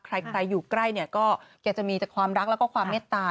ใครอยู่ใกล้ก็จะมีความรักแล้วก็ความเม็ดตา